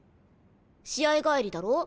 試合帰りだろ。